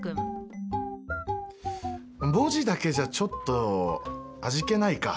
文字だけじゃちょっと味気ないか。